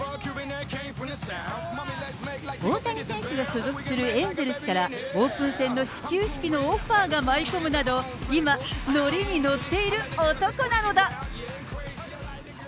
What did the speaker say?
大谷選手が所属するエンゼルスからオープン戦の始球式のオファーが舞い込むなど、今、乗りに乗っている男なのだ。